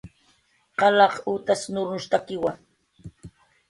Qalaq utas pirqnushtakiwa